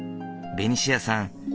ベニシアさん